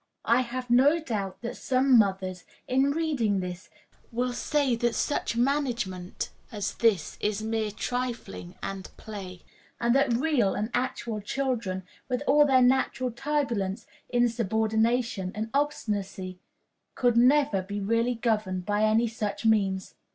I have no doubt that some mothers, in reading this, will say that such management as this is mere trifling and play; and that real and actual children, with all their natural turbulence, insubordination, and obstinacy, can never be really governed by any such means.